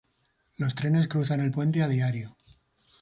Los trenes cruzan el puente a diario.